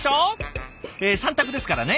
三択ですからね。